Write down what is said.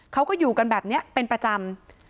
เขาก็อยู่กันแบบนี้เป็นประจำ